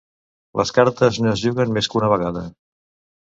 Les cartes no es juguen més que una vegada.